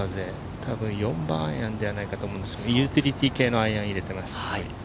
多分、４番アイアンじゃないかと、ユーティリティー系のアイアンを入れています。